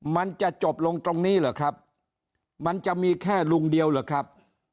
มันจะจบลงตรงนี้เหรอครับมันจะมีแค่ลุงเดียวเหรอครับ